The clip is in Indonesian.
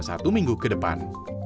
satu minggu ke depan